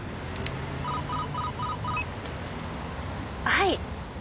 はい。